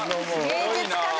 芸術家だ。